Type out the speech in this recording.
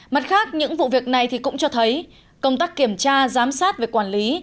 mặt khác những vụ việc này cũng cho thấy công tác kiểm tra giám sát về quản lý